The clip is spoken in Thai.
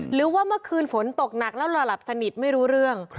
หรือว่าเมื่อคืนฝนตกหนักแล้วรอหลับสนิทไม่รู้เรื่อง